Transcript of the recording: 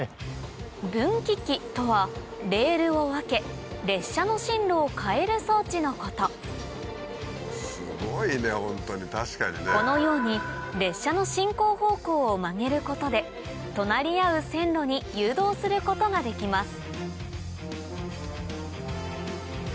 分岐器とはレールを分け列車の進路を変える装置のことこのように列車の進行方向を曲げることで隣り合う線路に誘導することができます